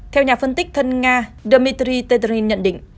theo nhà phân tích thân nga dmitry tetrin nhận định